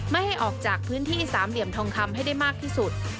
ไม่ให้ออกจากพื้นที่สามเหลี่ยมทองคำให้ได้มากที่สุด